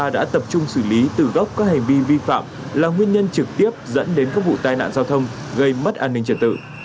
đã tập trung xử lý từ gốc các hành vi vi phạm là nguyên nhân trực tiếp dẫn đến các vụ tai nạn giao thông gây mất an ninh trật tự